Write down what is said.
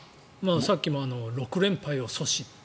さっきも６連敗を阻止って。